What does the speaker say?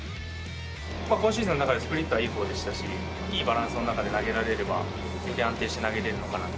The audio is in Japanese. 今シーズンの中で、スプリットはいいほうでしたし、いいバランスの中で投げられれば、より安定して投げれるのかなと。